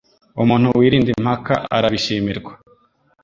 Umuntu wirinda impaka arabishimirwa